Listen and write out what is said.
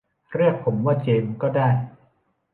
เรียกผมว่า เจมส์ ก็ได้